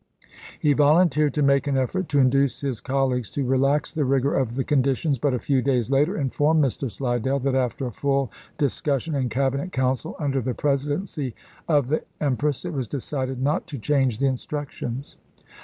1 He volunteered to make an effort to induce his col leagues to relax the rigor of the conditions ; but a few days later informed Mr. Slidell that after a full discussion in Cabinet Council, under the presidency of the Empress, it was decided not to change the instructions.